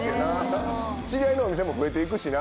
知り合いのお店も増えていくしな。